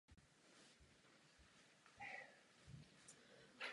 Vozidla sem byla převedena již v předchozích týdnech.